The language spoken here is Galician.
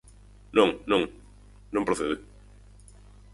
Non, non, non procede.